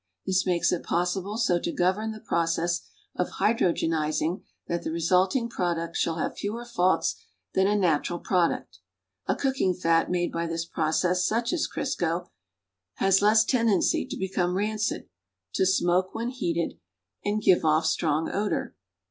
This makes it possible so to govern the ])rocess of hydrogenizing that the resulting protluct shall have fewer faults than a natural ]>roduct. .V cooking fat made by this process, such as Crisco, has less teridency to become rancid, to smoke when heated and give off strong odor.